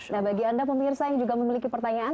nah bagi anda pemirsa yang juga memiliki pertanyaan